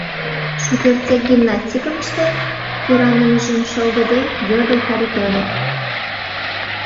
— Шукертсек гимнастикым ыштет? — кӧранымыжым шылтыде, йодо Харитонов.